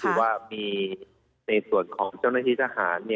คือว่ามีในส่วนของเจ้าหน้าที่ทหาร